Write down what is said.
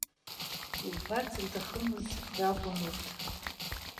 Илбарц илҭахымыз ракәын урҭ.